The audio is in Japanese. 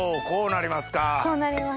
こうなりますか。